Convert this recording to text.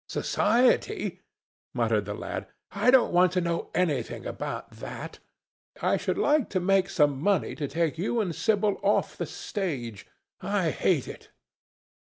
"Society!" muttered the lad. "I don't want to know anything about that. I should like to make some money to take you and Sibyl off the stage. I hate it."